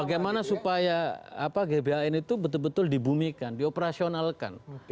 bagaimana supaya gbhn itu betul betul dibumikan dioperasionalkan